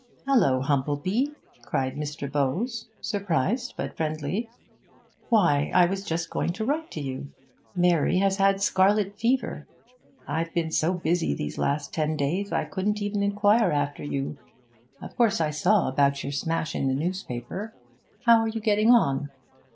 'Hallo! Humplebee!' cried Mr. Bowes, surprised but friendly. 'Why, I was just going to write to you. Mary has had scarlet fever. I've been so busy these last ten days, I couldn't even inquire after you. Of course, I saw about your smash in the newspaper; how are you getting on?'